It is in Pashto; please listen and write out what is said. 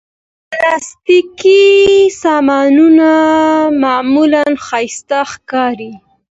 پلاستيکي سامانونه معمولا ښايسته ښکاري.